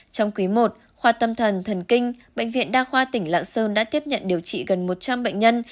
trong quý i khoa tâm thần thần kinh bệnh viện đa khoa tỉnh lạng sơn đã tiếp nhận điều trị gần một trăm linh bệnh nhân